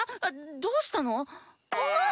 どうしたの⁉まっ！